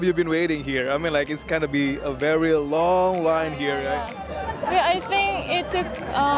ya ini berharga karena paskar suvenir ini hanya untuk